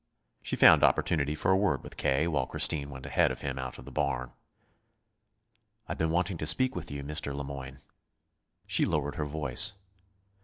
She found opportunity for a word with K. while Christine went ahead of him out of the barn. "I've been wanting to speak to you, Mr. Le Moyne." She lowered her voice.